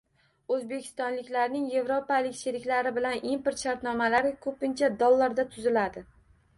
O'zbekistonliklarning evropalik sheriklari bilan import shartnomalari ko'pincha dollarda tuziladi